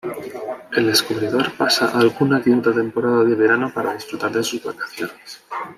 El descubridor pasa alguna que otra temporada de verano para disfrutar de sus vacaciones.